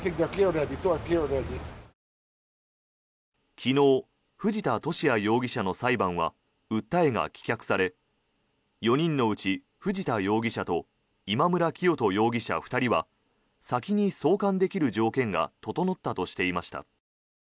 昨日、藤田聖也容疑者の裁判は訴えが棄却され４人のうち藤田容疑者と今村磨人容疑者２人は先に送還できる条件が整ったとしていました。